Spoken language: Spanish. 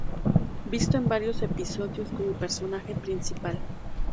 Visto en varios episodios como personaje principal.